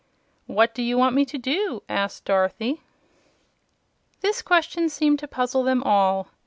"What do you want me to do?" asked Dorothy. This question seemed to puzzle them all.